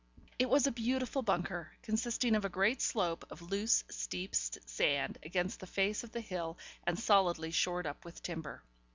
It was a beautiful bunker, consisting of a great slope of loose, steep sand against the face of the hill, and solidly shored up with timber.